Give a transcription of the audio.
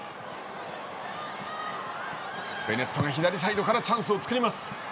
ベネットが左サイドからチャンスを作ります。